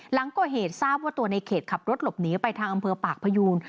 หลังก่อเหตุทราบว่าตัวในเขตขับรถหลบหนีไปทางอำเภอปากพยูน